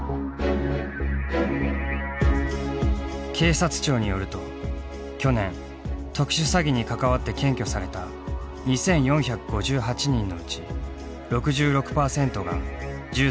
警察庁によると去年特殊詐欺に関わって検挙された２，４５８人のうち６６％が１０代から２０代の若者だった。